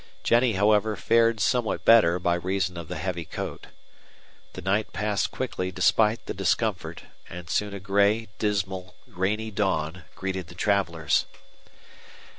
Jennie, however, fared somewhat better by reason of the heavy coat. The night passed quickly despite the discomfort, and soon a gray, dismal, rainy dawn greeted the travelers.